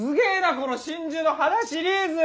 この『真珠の肌』シリーズ！